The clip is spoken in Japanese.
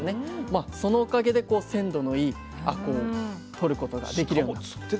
まあそのおかげで鮮度のいいあこうとることができるようになったと。